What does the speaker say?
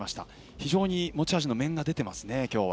非常に持ち味の面が出ていますね。